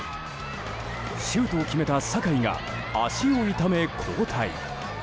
シュートを決めた境が足を痛め交代。